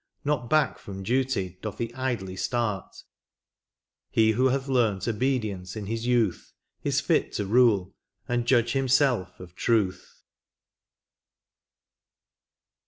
Not back from duty doth he idly start : He who hath learnt obedience in his youth Is fit to rule, and judge himself of truth.